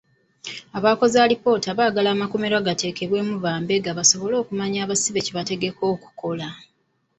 Abakoze alipoota baagala amakomera gateekebwemu bambega basobole okumanya abasibe kye bategeka okukola.